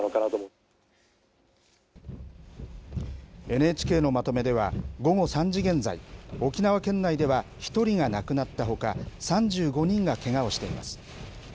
ＮＨＫのまとめでは、午後３時現在、沖縄県内では１人が亡くなったほか、３５人がけがをしています。